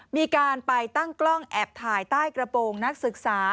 มีการไปตั้งกล้องแอบถ่ายใต้กระโปรงนักศึกษา